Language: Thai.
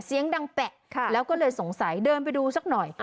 เสียงดังแปะแล้วก็เลยสงสัยเดินไปดูสักหน่อย